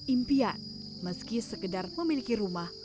impian meski sekedar memiliki rumah